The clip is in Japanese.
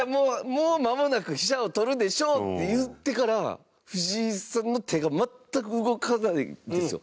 もう間もなく、飛車を取るでしょうって言ってから藤井さんの手が全く動かないんですよ。